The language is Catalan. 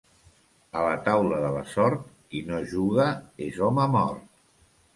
A la taula de la sort, qui no juga és home mort.